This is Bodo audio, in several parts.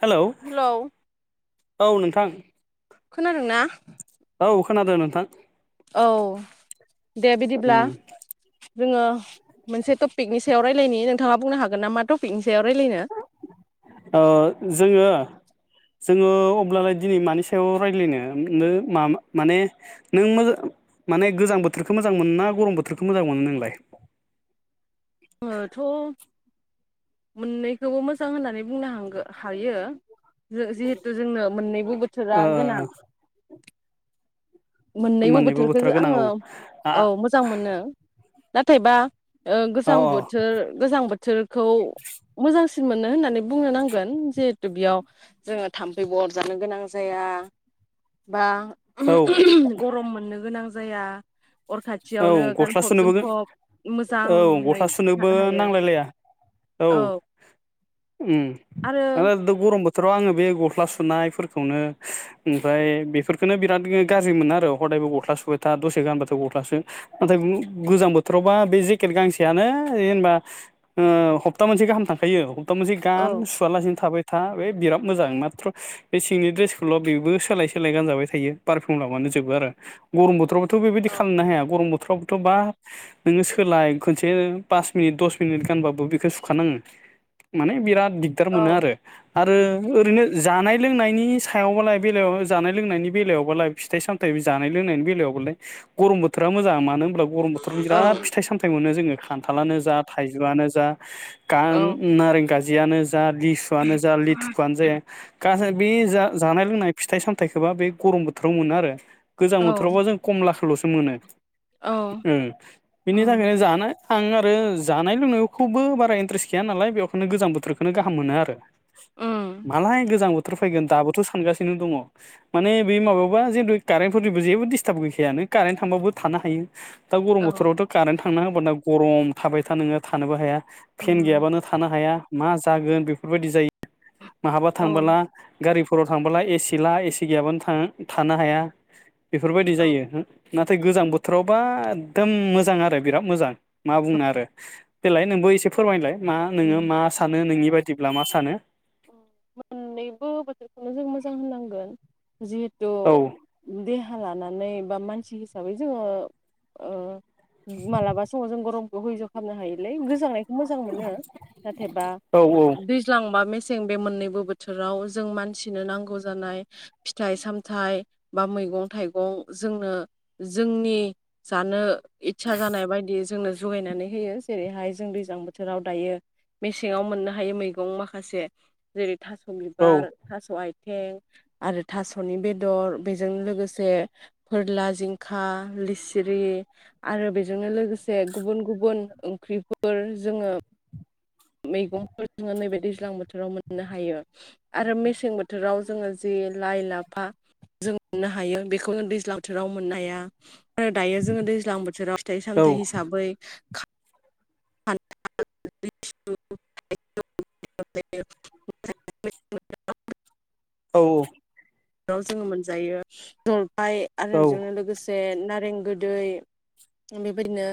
हेलौ औ नोंथां खोनादोंना? औ खोनादों नोंथां औ दे बिदिब्ला उम जोङो मोनसे टपिकनि सायाव रायजलायनायनि नोंथाङा बुंनो हागोन ना मा टपिक अह जोङो जोङो अब्लालाय दिनै मानि सायाव रायज्लायनो म माने नों मोजां माने गोजां बोथोरखौ मोजां मोनो ना गरम बोथोरखौ मोजां मोनो नोंलाय? आङोथ' मोननैखौबो मोजां होननानै बुंनो हां-हायो। जिहेथु जोंनो मोननैबो बोथोरा ओ गोनां। मोननैबो बोथोरखौ बोथोरा गोनां आङो औ आ औ मोजां मोनो। नाथायबा ओं अ गोजां अ बोथोर गोजां बोथोर खौ मोजांसिन मोनो होननानै बुंनो नांगोन जिहेथु बेयाव जोङो थाम्फैबो अरजानो गोनां जाया बा औ गरम मोननो गोनां जाया। अर औ खाथियावनो गस्ला गानफब जोमफब मोजां हासुनोबो नांलायलाया औ ओम आरो गरम बोथोराव आङो बे गस्ला सुनायफोरखौनो ओमफ्राय बेफोरखौनो बिराद गाज्रि मोनो आरो हदायबो गस्ला सुबुबाय था दसे गानबथ' गस होनब्लाासो नाथाय गोजां बोथोरावबा बे जेकेट गांसेयानो जेनबा हप्ता मोनसे गाहाम थांखायो। हप्टा मोनसे औ गान सुवालासिनो थाबाय था बे बिराद मोजां माथ्र' बे सिंनि दड्रेसखौल' बेबो सोलाय सोलाय गानजाबाय थायो पारफिउम लाबानो जोबो आरो गरम बोथोरबथ' औ खालामनो हाया गरम बोथ बोथ्रावथ' बा नोङो सोलाय खनसे पास मिनिट दस मिनिट गानबाबो बेखौ सुखानाङो माने बिराद दिगदार मोनो औ आरो आरो ओरैनो जानाय लोंनायनि सायावबालाय बेलायाव जानाय लोंनायनि बेलायावबालाय फिथाइ सामथायाइ जानाय लोंनायनि बेलायावबालाय। गरम बोथोरा मोजां मानो अब्ला गरम बथोराव बिराद फिथाइ सामथाय मोनो जोङो। खान्थालानो जा थाइजौआनो जा कां औ नारेंखाजि जायानो जा लिसुआनो जा लिथुखुआनो जाया गासै बे जा जानाय लोंनाय फिथाइ सामथाइखौबा बे गरम बोथोराव मोनो आरो गोजां औ बोथोरावबा जों कमला सल'सो मोनो। औ उम बिनि उम थाखायनो जानो। आं आरो जानाय लोंनायखौबो बारा इन्ट्रेस्ट गैया नालाय बेखायनो गोजां बोथोरखौनो गाहाम मोनो आरो उम मालाय गोजां बोथोर फैगोन दाबोथ' सानगासिनो दङ माने बे माबाबा जिथु कारेन्टफोरनिबो जेबो दिडिस्टाब गैखायानो। कारेन्ट थांबाबो थानो हायो। दा गरम औ बोथोरावथ' कारेन्ट था थांना होबादा गरम थाबाय था नोङो थानोबो हाया। फेन उम गैयाबानो थानो हाया। मा जागोन बेफोरबायदि जायो। बहाबा औ थांबोला गारिफोराव थांबोला एसि ला एसि गैयाबानो था थानो हाया। बेफोरबायदि औ जायो हो नाथाय गोजां बोथोरावबा एकदम मोजां आरो बिराद मोजां। मा बुंनो आरो देलाय नोंबो एसे फोरमायलाय। मा नोङो उम मा सानो नोंनि बाद दिब्ला मा सानो? मोननैबो जिहेतु औ देहा राहा लानानै बा मानसि हिसाबै जोङो ओ मालाबा समाव जों गरम [unintelligible] खामनो हायोलै गोजांनाय मोजां मोनो जाथेबा औ दैज्लां बा मेस जों बे मोननैबो बोथोराव जों मानसिनो नांगौ जानाय फिथाइ सामथाइ बा मैगं थाइगं जोंनो जोंनि जानो इस्सा जानाय बायदि जोंनो जगायनानै होयो जेरैहाय जों दैज्लां बोथोराव दायो मेसेङाव मोननो हायो मैगं माखासे जेरै थास' औ बिबार थास' आइ ए आरो थास'नि बेदर बेजों लोगोसे फोरला जिंखा लिसिरि आरो बेजोंनो लोगोसे गुबुन गुबुन ओंख्रिफोर जोङो मैगंफोर जोङो नैबे दैज्लां बोथोराव मोननो हायो आरो मेसें बोथोराव जोङो जे लाइ लाफा जों मोननो हायो बेखौ जों दैज्लां बोथोराव मोननो हाया आरो दायो जोङो दैज्लां बोथोराव फिथाइ सामथाइ हिसाबै खा [unintelligible] औ औ। जोङो मोनजायो। ओमफ्राय आरो औ बेजोंनो लोगोसे नारें गोदै बेबायदिनो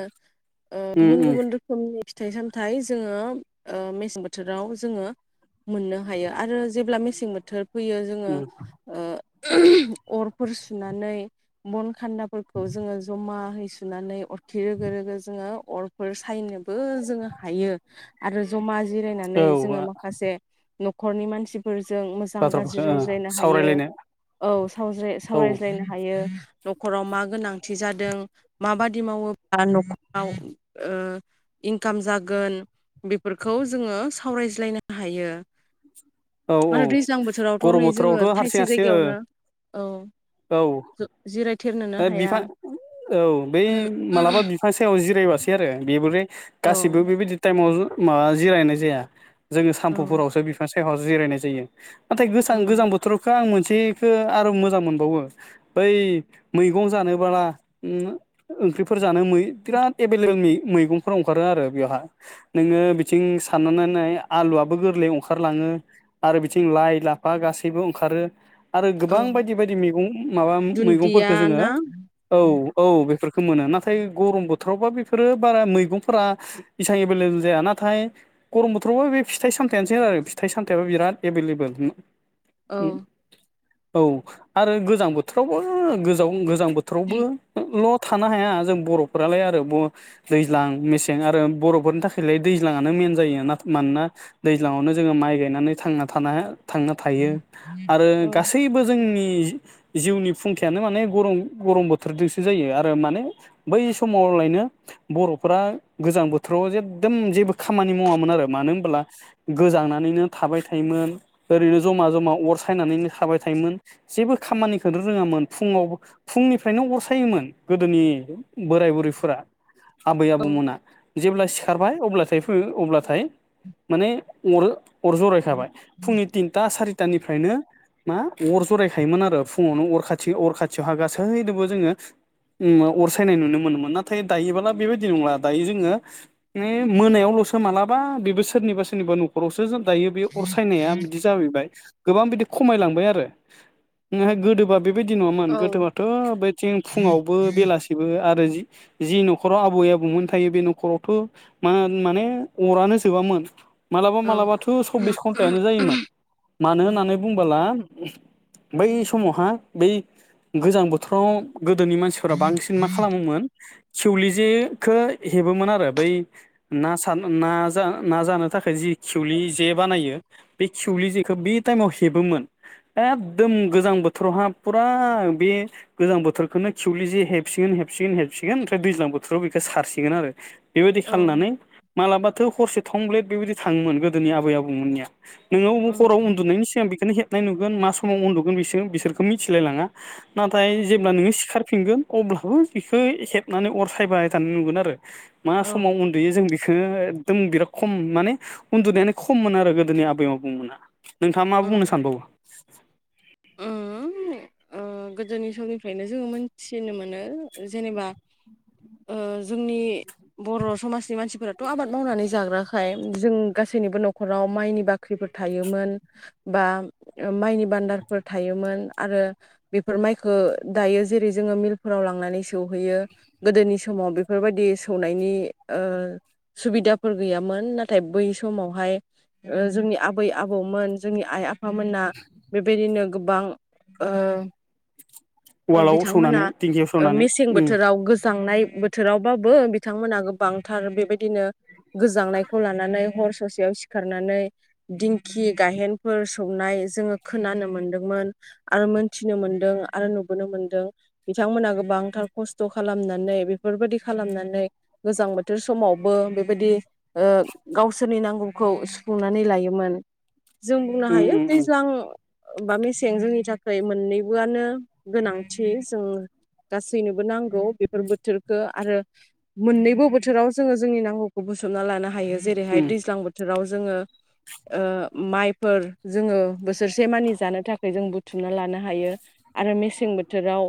ओ उम गुबुन उम गुबुन रोखोमनि फिथाइ सामथाइ जोङो मेसें बोथोराव जोङो मोननो हायो आरो जेब्ला मेसें बोथोर फैयो जोङो उम अरफोर सुनानै बन खान्दाफोरखौ जोङो ज'मा। नै सुनानै अरखि रोगो रोगो जोङो अरफोर सायनोबो जोङो हायो आरो। जमा जिरायनानै जोङो औ माखासे। न'खरनि मानसिफोर। जों मोजां बाथ्राफोरखौ गाज्रि ओ रायज्लायनो हायो। सावरायलायनो औ साव औ सावरायज्लायनो हायो। न'खराव मा गोनांथि जादों माबादि मावोब्ला न'खराव ओ इनकाम जागोन बेफोरखौ जोङो सावरायज्लायनो हायो। औ औ आरो दैज्लां बोथोरावथ' गरम नै जोङो बोथोरावथ' हारसिं थाइसे हारसिं। जायगायावनो औ ओ औ जिरायथेरनोनो ओद बि हाया बै मालाबा बिफां सायाव जिरायबा सै आरो बेबोलै। औ गासिबो बेबायदि टाइमाव ज मा जिरायनाय जाया। जोङो औ सामफुफोरावसो बिफां सा औ जिरायनाय जायो। नाथाय गोजां उम गोजां बोथोरावथ आं मोन थिखो आरो मोजां मोनबावो बै मैगं जानोब्ला ओ ओंख्रिफोर जानो बिराद एबेलेबेलनि मैगंफोर अंखारो आरो बेहा नोङो बिथिं साननानै आलुआबो गोरलै अंखा लाङो आरो बिथिं लाइ लाफा गासैबो ओंखारो। आरो औ गोबां बायदि बायदि मैगं माबा दुन्दिया मैगंफोरखौ जोङो ना औ औ बेफोर। खो मोनो नाथाय गरम बोथोरावबा बेफोरो बारा मैगंफोरा इसबां एभलेबल जाया नाथाय गरम बोथोरावबा बे फिथाइ सामथायानोसै आरो। फिथाइ सामथायाइबा बिराद एभेलेबेल। औ। औ आरो गोजां बोथोरावबो गोजाव गोजाम। बोथोरावबो ल' थानो हाया। जों बर' फ्रालाय आरो ब-दैज्लां मेसें आरो बर'फोरनि थाखालाय दैजांनो मेन जायो ना-मानोना दैज्लांआवनो। जोङो माइ गायनानै थांना थानो। थांना थायो आरो औ गासैबो जोंनि। नि जिउनि फुंखयानो माने गरम गरम बोथोरजोंसो जायो आरो माने बै समावलायनो बर'फोरा गोजां बोथोराव एकदम जेबो खामानि मावामोन आरो होनब्ला। गोजांनानैनो थाबाय थायोमोन ओरैनो जमा जमा अर सायनानैनो थाबाय थायोमोन जेबो खामानिखौनो रोङामोन फुङाव फुंनिफ्रायनो अर सायोमोन गोदोनि बोराय बुरैफोरा। आबै औ आबौमोना। जेब्ला सिखारबाय अब्लाथाय फो अब्लाथाय माने। अरो। अर जरायखाबाय फुंनि तिनथा सारि। तानिफ्रायनो मा अर जरायखायोमोन आरो फुङावनो अर खाथि अर खाथियावहा गासैजोंबो जोङो अर सायनाय नुनो मोनोमोन नाथाय दायोबोला बेबायदि नंला दायो जोङो मोनायावल'सो मालाबा बेबो सोरनिबा सोरनिबा न। जों दायो बे अरसायनाया बिदि जाबैबाय। गोबां बिदि खमायलांबाय आरो ओहाय गोदोबा बेबायदि नङामोन औ गोथोबआाथ' बेथिं फुङावबो बेलासिबो आरो आरो जि-जि न'खराव आबै आबौमोन थायो बे न'खरावथ' मा माने अरानो जोबामोन। मालाबा मालाबाथ' सब्बिस घन्टानो जायोमोन मानो होननानै बुंबोला बै समावहा बै गोजां बोथोराव गोदोनि मानसिफोरा बांसिन मा खालामोमोन खिवलि जेखो हेबोमोन आरो बै ना सान ना जा ना जानो। थाखाय जि खिवलि जे बानायो बे खिवलि जेखौ बे टाइमाव हेबोमोन एखदम गोजां बोथोरावहा फुरा बे गोजां बोथोरखौनो खिवलि जे हेबसिगोन हेबसिगोन हेबसिगोन ओमफ्राय दैज्लां बोथोराव बेखौ सारसिगोन आरो। बेबायदि औ खामनानै मालाबाथ' हरसे थंब्लेट बेबायदि थाङोमोन गोदोनि आबै आबौमोननिया। नोंनाव हराव उन्दुनायनि सिगां बेखौनो हे नाय नुगोन मा समाव उन्दुगोन बिसो-बिसोर बिसोरखौ मिथिलायलाङा। नाथाय जेब्ला नोङो सिखार फिनगोन अब्लाबो बिखौ हेबनानै अर सायबाय थानाय नुगोन आरो। मा औ समाव उन्दुयो जों बि खो एकदम बिराद खम माने उन्दुनायानो खममोन आरो गोदोनि आबै आबौमोना। नोंथाङा मा बुंनो सानबावो। ओ ओ गोदोनि समनिफ्रायनो जोङो मोनथिनो मोनो जेनेबा ओ जोंनि बर' समाजनि मानसिफोराथ' आबाद मावनानै जाग्राखाय जों गासैनिबो न'खराव माइनि बाख्रिफोर थायोमोन बा माइनि बान्दार फोर थायोमोन आरो बेफोर माइखो दायो जेरै जोङो मिलफोराव लांनानै सौहैयो गोदोनि समाव बेफोरबायदि सौनायनि ओ सुबिदाफोर गैयामोन नाथाय बै समावहाय ओ जोंनि आबै आबौमोन जोंनि आइ आफ फामोना बे बिदिनो गोबां ओ ओ उवालाव बिथांमोना सौनानै दिंकिआव सौनानै उम। थांनाय बोथोरावबाबो बिथांमोनहा गोबांथार बेबायदिनो गोजांनायखौ लानानै हर ससेयाव सिखारनानै दिंखि गाहेनफोर सौ खोनानो मोनदोंमोन आरो मोनथिनो मोनदों आरो नुबोनो मोनदों बिथांमोना गोबांथार खस्थ' खालामनानै बेफोरबायदि खालामनानै गोजां बोथोर समावबो बेबायदि ओ गावसोरनि नांगौखौ सुफुंनानै लायोमोन। जों बुंनो उम हायो उम दैज्लां बा मेसें जोंनि थाखाय मोननैबोआनो गोनांथि जों गासैनोबो नांगौ बेफोर बोथोरखो आरो मोननैबो बोथोराव जोङो जोंनि नांगौखौ बुथुमना लानो हायो। जेरैहाय उम दैज्लां बोथोराव जोङो ओ मायफोर जोङो बोस बोसोरसे मानि जानो थाखाय जों बुथुमना लानो हायो आरो मेसें बोथोराव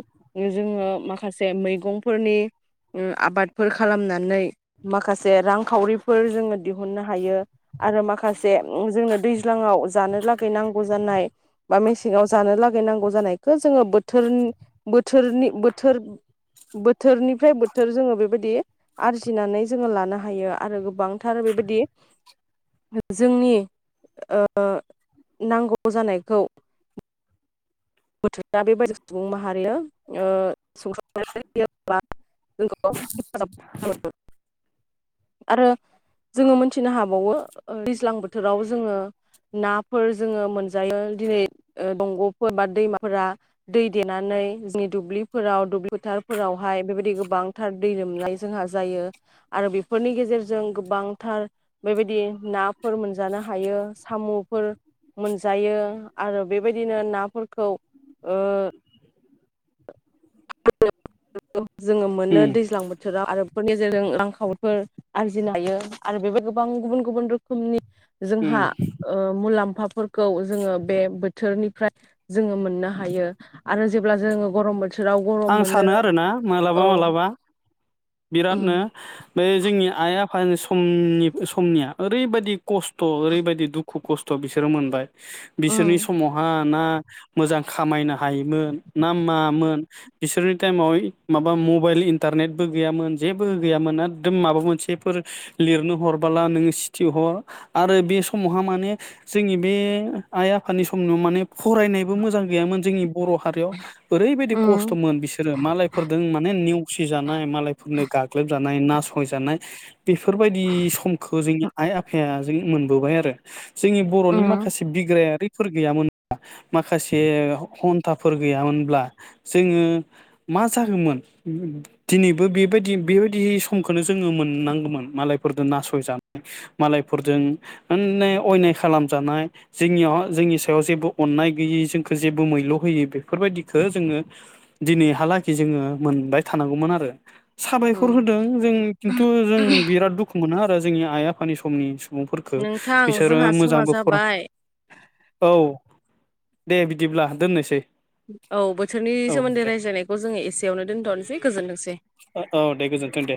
जोङो माखासे मैगंफोरनि उम आबादफोर खालामनानै माखासे रांखावरिफोर जोङो दिहुननो हायो आरो माखासे जोंनो दैज्लाङाव जानो लागै नां गौ जानाय बा मेसेङाव जानो लागै नांगौ जानाय जोङो बोथोर थोरनि बोथोर बोथोरनिफ्राय बोथोर जोङो बेबायदि आरजिनानै जोङो लानो हायो आरो गोबांथार बेबायदि जोंनि ओ नांगौ जानायखौ [unintelligible] [unintelligible] आरो जोङो मोनथिनो हाबावो ओ दैज्लां बोथोराव जोङो नाफोर जोङो मोनजायो दिनै ओ दंग'फोर बा दैमाफोरा दै देनानै जोंनि दुब्लिफोराव दुब्लि फोथारफोराव हाय बेबायदि गोबांथार दै लोमनाय जोंहा जायो आरो बेफोरनि गेजेरजों गोबांथार बेबायदि नाफोर मोनजानो हायो साम'फोर मोनजायो आरो बेबायदिनो नाफोर खौ ओ जोङो मोनो उम उम दैज्लां बोथोराव आरो फोरनि गेजेरजों आांखावोफोर आरजिनो हायो आरो बेबायदि गोबां गुबुन गुबुन रोखोमनि उम जोंहा ओ मुलाम्फ फाफोरखौ जोङो बे बोथोरनिफ्राय जोङो मोननो हायो आरो जेब्ला जोङो गरम बोथोर आं सानो आरोना मालाबा मालाबा बिरादनो उम बे जोंनि आइ आफ फा समनि समनिया ओरैबायदि खस्थ' ओरैबायदि दुख खु खस्थ' बिसोरो मोनबाय बिसोरनि समावहा ना मोजां खामायनो हायोमोन ना मामोन बिसोरनि टाइमाव माबा मबाइल इन्टारनेटबो गैयामोन जेबो गैयामोन एकदम माबा मोनसेफोर लिरनो हरबोला नोङो सिथि हर आरो बे समावहा माने जोंनि बे आइ आफानि समनाव माने फरायनायबो मोजां गैयामोन जोंनि बर' हारियाव ओरैबायदि खस्थ' उम उम थमोन बिसोरो मालायफोरजों माने नेवसि जानाय मालायफोरनो गाग्लोब जा नाय नाचय जानाय बेफोरबायदि समखौ जोंनि आइ आफाया उम मोनबोबाय आरो जोंनि बर'नि माखासे बिग्रायारि फोर गैयामोन माखासे [unintelligible] खथाफोर गैयामोनब्ला जोङो मा जागोमोन दिनैबो बेबायदि बेबायदि समखौनो जोङो मोननांगौमोन मालायफोरजों नासयजानाय मालायफोरजों ओने अयनाय खालामजानाय जोंनियाव जोंनि सायाव जेबो अननाय गैयि जोंखौ जेबो मैल' होयो बेफोरबायदिखौ जोङो दिनैहालागि जोङो मोनबाय थानांगौमोन आरो साबायखर होदों जों खिन्थु जों बिराद दुखु मोनो आरो जोंनि आइ आफानि समनि सुबुंफोरखौ नोंथां बिसोरो जोंहा समा मोजांबो फर जाबाय औ दे बिदिब्ला दोननोसै। औ बो सोरनि औ सोमोन्दै दे रायज्लायनायखौ जोङो एसेयावनो दोनथ'नोसै गोजोनथोंसै। औ दे गोजोन्थों दे